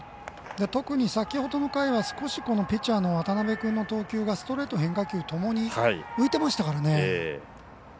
特に先ほどの回は少しピッチャーの渡邊君の投球がストレート、変化球ともに浮いていましたからね。